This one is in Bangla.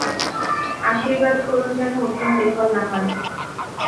আশীর্বাদ করুন যেন উদ্যম বিফল না হয়।